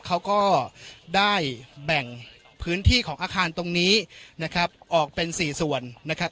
เขาก็ได้แบ่งพื้นที่ของอาคารตรงนี้นะครับออกเป็นสี่ส่วนนะครับ